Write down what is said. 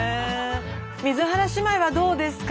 水原姉妹はどうですか？